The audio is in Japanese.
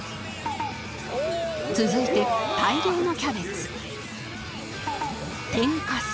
続いて大量のキャベツ天かす